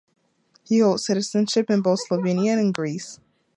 He holds citizenship in both Slovenia and Greece.